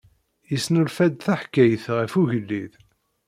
Yesnulfa-d taḥkayt ɣef ugellid.